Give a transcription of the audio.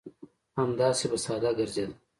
همداسې به ساده ګرځېده.